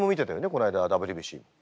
この間ＷＢＣ。